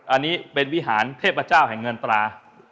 อันนี้เป็นวิหารเทพเจ้าแห่งเงินตรา